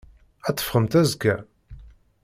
Ad teffɣemt azekka?